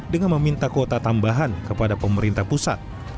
dengan meminta kuota tambahan kepada pemerintah pusat